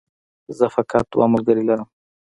زه فقط دوه ملګري لرم